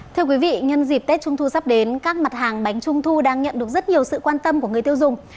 thưa quý vị nhân dịp tết trung thu sắp đến các mặt hàng bánh trung thu đang nhận được rất nhiều sự quan tâm của người tiêu dùng